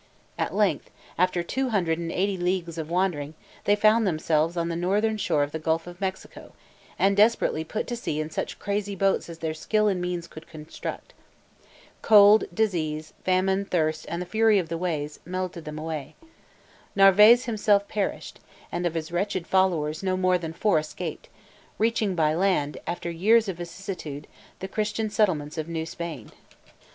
At length, after two hundred and eighty leagues of wandering, they found themselves on the northern shore of the Gulf of Mexico, and desperately put to sea in such crazy boats as their skill and means could construct. Cold, disease, famine, thirst, and the fury of the waves, melted them away. Narvaez himself perished, and of his wretched followers no more than four escaped, reaching by land, after years of vicissitude, the Christian settlements of New Spain.